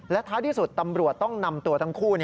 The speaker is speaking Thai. ท้ายที่สุดตำรวจต้องนำตัวทั้งคู่